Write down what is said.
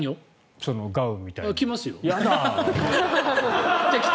ガウンみたいなの。